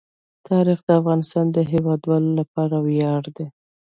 تاریخ د افغانستان د هیوادوالو لپاره ویاړ دی.